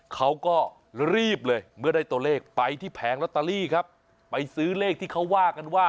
เขาก็รีบเลยเมื่อได้ตัวเลขไปที่แผงลอตเตอรี่ครับไปซื้อเลขที่เขาว่ากันว่า